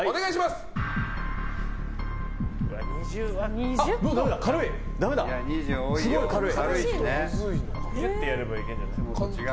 すごい軽い！